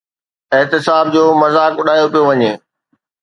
احتساب جو مذاق اڏايو پيو وڃي.